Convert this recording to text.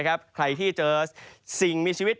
ใครที่เจอสิ่งมีชีวิต